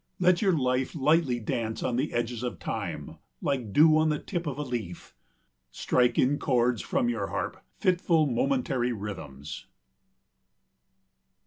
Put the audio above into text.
Let your life lightly dance on the edges of Time like dew on the tip of a leaf. Strike in chords from your harp fitful momentary rhythms.